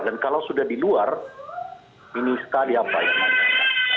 dan kalau sudah di luar ini sekali apa ya bang rey